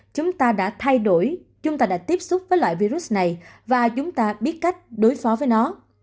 chúng ta đã thay đổi chúng ta đã tiếp xúc với loại virus này và chúng ta biết cách đối phó với nó